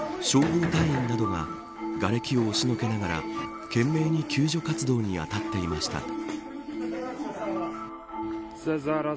消防隊員などががれきを押しのけながら懸命に救助活動にあたっていました。